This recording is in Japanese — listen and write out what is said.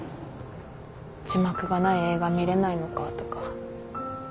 字幕がない映画見れないのかとか。